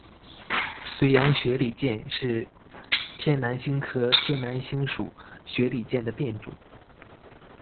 绥阳雪里见是天南星科天南星属雪里见的变种。